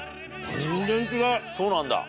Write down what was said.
そうなんだ。